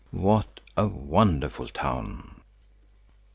What a wonderful town!"